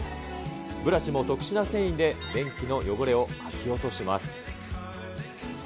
ブラシも特殊な繊維で便器の汚れをかき落とします。